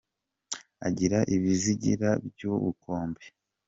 Agira ibizigira by’ubukombe